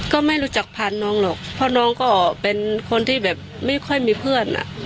ก็ไม่รู้จักผ่านน้องหรอกเพราะน้องก็เป็นคนที่แบบไม่ค่อยมีเพื่อนอ่ะ